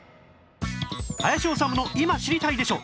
『林修の今知りたいでしょ！』